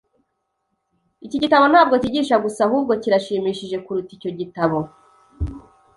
Iki gitabo ntabwo cyigisha gusa ahubwo kirashimishije kuruta icyo gitabo.